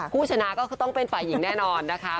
ผู้ชนะก็คือต้องเป็นฝ่ายหญิงแน่นอนนะคะ